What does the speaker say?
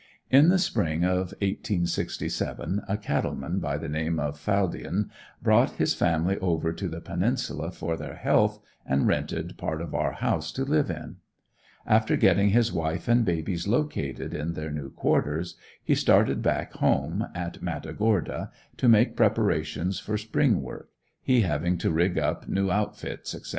In the spring of 1867, a cattle man by the name of Faldien brought his family over to the Peninsula for their health and rented part of our house to live in. After getting his wife and babies located in their new quarters, he started back home, in Matagorda, to make preparations for spring work, he having to rig up new outfits, etc.